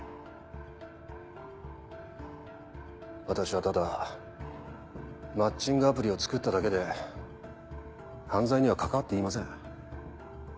私はただマッチングアプリを作っただけで犯罪には関わっていません。